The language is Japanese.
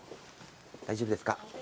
大丈夫ですか？